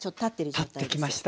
立ってきました。